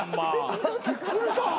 びっくりした。